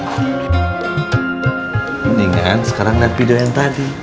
ini kan sekarang nggak video yang tadi